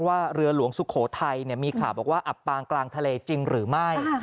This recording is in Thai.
เรือหลวงสุโขทัยมีข่าวบอกว่าอับปางกลางทะเลจริงหรือไม่